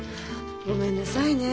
ごめんなさいね。